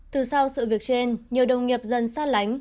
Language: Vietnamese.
từ sau sự việc trên nhiều đồng nghiệp dần xa lánh